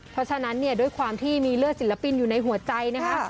เพราะฉะนั้นเนี่ยด้วยความที่มีเลือดศิลปินอยู่ในหัวใจนะคะ